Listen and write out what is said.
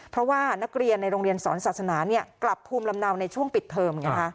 เพราะว่านักเรียนในโรงเรียนสอนศาสนากลับภูมิลำเนาในช่วงปิดเทอม